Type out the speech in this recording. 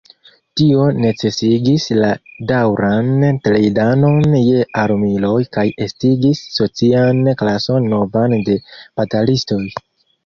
Tio necesigis ja daŭran trejnadon je armiloj kaj estigis socian klason novan de batalistoj.